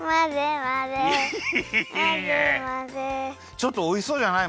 ちょっとおいしそうじゃない？